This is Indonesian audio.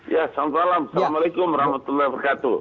ya salam salam assalamualaikum warahmatullahi wabarakatuh